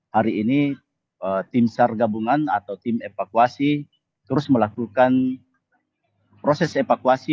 hari ini tim sar gabungan atau tim evakuasi terus melakukan proses evakuasi